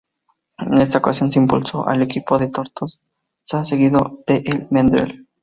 En esta ocasión se impuso el equipo de Tortosa, seguido de El Vendrell.